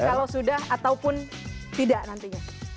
kalau sudah ataupun tidak nantinya